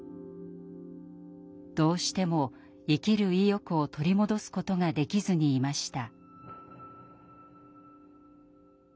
どうしても生きる意欲を取り戻すことができずにいました。